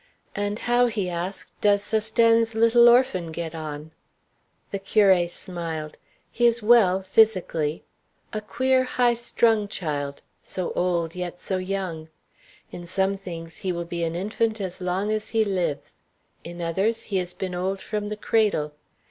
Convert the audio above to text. "And how," he asked, "does Sosthène's little orphan get on?" The curé smiled. "He is well physically. A queer, high strung child; so old, yet so young. In some things he will be an infant as long as he lives; in others, he has been old from the cradle.